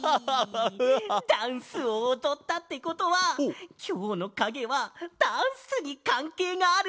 ダンスをおどったってことはきょうのかげはダンスにかんけいがあるかげなんだね？